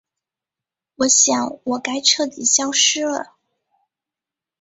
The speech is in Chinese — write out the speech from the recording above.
我想我该彻底消失了。